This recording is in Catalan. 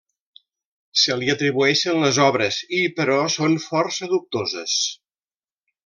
Se li atribueixen les obres i però són força dubtoses.